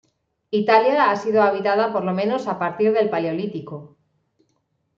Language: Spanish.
Italia ha sido habitada por lo menos a partir del Paleolítico.